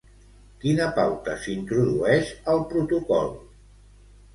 Quina pauta s'introdueix al protocol?